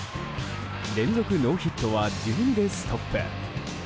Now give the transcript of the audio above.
連続ノーヒットは１２でストップ。